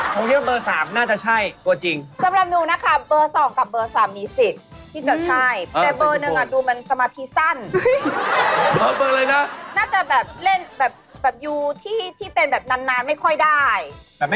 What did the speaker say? ขี่รถซิ่งนะฮะ